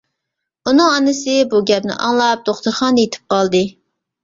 ئۇنىڭ ئانىسى بۇ گەپنى ئاڭلاپ دوختۇرخانىدا يىتىپ قالدى.